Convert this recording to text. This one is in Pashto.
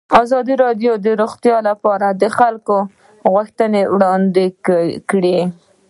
ازادي راډیو د روغتیا لپاره د خلکو غوښتنې وړاندې کړي.